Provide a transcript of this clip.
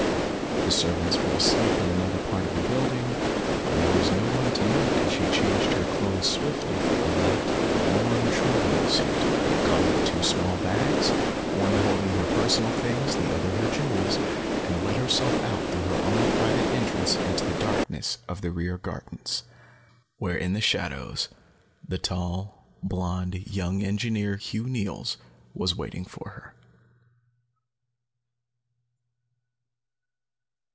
The servants were asleep in another part of the building, and there was no one to note as she changed her clothes swiftly for a light, warm travelling suit, caught up two small bags, one holding her personal things, the other her jewels, and let herself out through her own private entrance into the darkness of the rear gardens. Where in the shadows the tall, blonde young engineer, Hugh Neils, was waiting for her....